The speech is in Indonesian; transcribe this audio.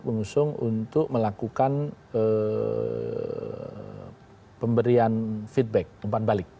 yang akan mengusung untuk melakukan pemberian feedback umpan balik